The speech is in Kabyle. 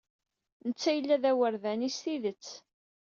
Netta yella d awerdani n tidet.